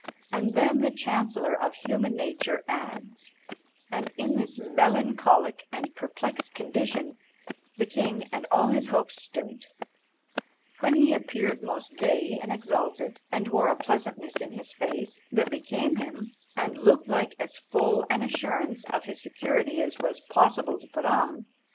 And then the chancellor of human nature adds, "And in this melancholic and perplexed condition the king and all his hopes stood, when he appeared most gay and exalted, and wore a pleasantness in his face that became him, and looked like as full an assurance of his security as was possible to put on."